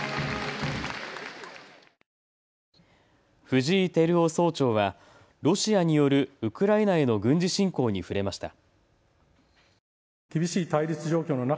藤井輝夫総長はロシアによるウクライナへの軍事侵攻に触れました。